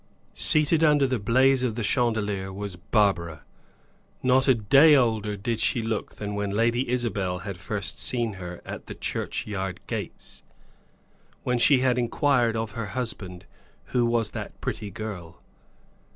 Seated under the blaze of the chandelier was Barbara. Not a day older did she look than when Lady Isabel had first seen her at the churchyard gates, when she had inquired of her husband who was that pretty girl.